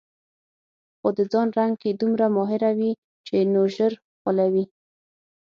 خو د ځان رنګ کې دومره ماهره وي چې نور ژر غولوي.